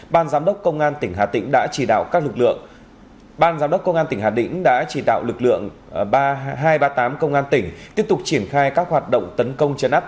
ban giám đốc công an tỉnh hà tĩnh đã chỉ đạo lực lượng hai trăm ba mươi tám công an tỉnh tiếp tục triển khai các hoạt động tấn công chấn áp